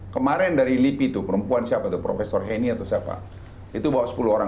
kemarin dari lipi tuh perempuan siapa tuh profesor heni atau siapa itu bawa sepuluh orang